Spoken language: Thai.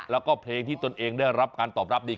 แล้วก็เพลงที่ตนเองได้รับการตอบรับดี